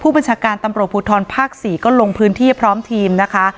บัญชาการตำรวจภูทรภาค๔ก็ลงพื้นที่พร้อมทีมนะคะ